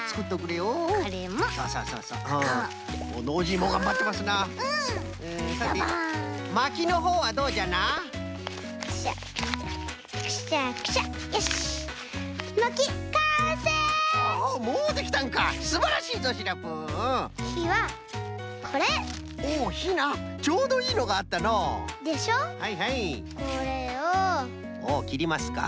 おおきりますか！